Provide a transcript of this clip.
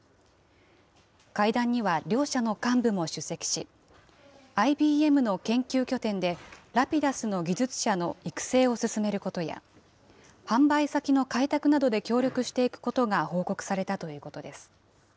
会談には両社の幹部も出席し、ＩＢＭの研究拠点で、Ｒａｐｉｄｕｓの技術者の育成を進めることや、販売先の開拓などで協力していくことが報告されたということです。